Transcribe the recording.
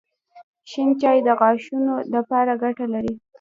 شېن چای د غاښونو دپاره ګټه لري